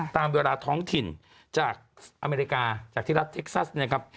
ตามเวลาท้องถิ่นจากอเมริกาจากที่รัฐเท็กซัสนะครับ